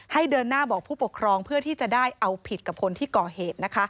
เดินหน้าบอกผู้ปกครองเพื่อที่จะได้เอาผิดกับคนที่ก่อเหตุ